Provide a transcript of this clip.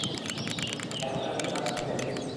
হ্যাঁ, মজা লাগছে তার সাথে নেচে।